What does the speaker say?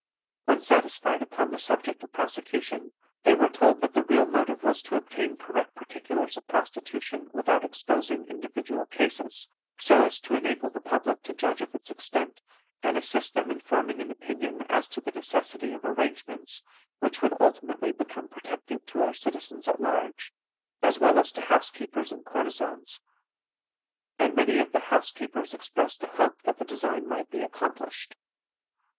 When satisfied upon the subject of prosecution, they were told that the real motive was to obtain correct particulars of prostitution without exposing individual cases, so as to enable the public to judge of its extent, and assist them in forming an opinion as to the necessity of arrangements which would ultimately become protective to our citizens at large, as well as to housekeepers and courtesans, and many of the housekeepers expressed a hope that the design might be accomplished.